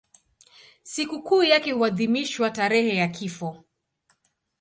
Sikukuu yake huadhimishwa tarehe ya kifo.